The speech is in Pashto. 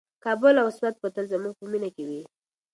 کابل او سوات به تل زموږ په مینه کې وي.